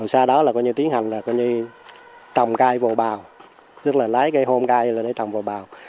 sau đó là tiến hành là trồng cây vồ bào tức là lái cây hôn cây lên để trồng vồ bào